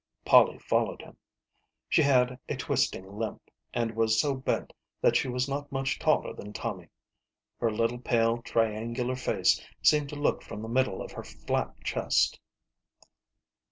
Polly followed him. She had a twisting limp, and was so bent that she was not much taller than Tommy, her little pale triangular face seemed to look from the middle of her flat chest.